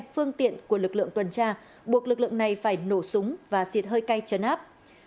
phương tiện của lực lượng tuần tra buộc lực lượng này phải nổ súng và xịt hơi cay trấn áp